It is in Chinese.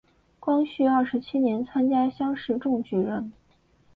光绪二十七年参加乡试中举人。